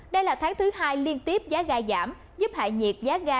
đây là tháng thứ hai liên tiếp giá ga giảm giúp hại nhiệt giá ga